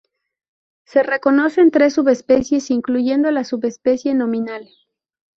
Se reconocen tres subespecies, incluyendo la subespecie nominal.